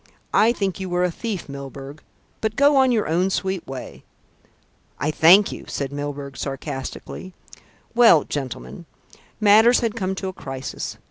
I think you were a thief, Milburgh; but go on your own sweet way." "I thank you," said Mr. Milburgh sarcastically. "Well, gentlemen, matters had come to a crisis.